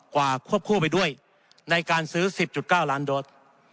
กว่าควบคุมไปด้วยในการซื้อ๑๐๙ล้านโลก